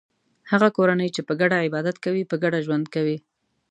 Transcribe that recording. هغه کورنۍ چې په ګډه عبادت کوي په ګډه ژوند کوي.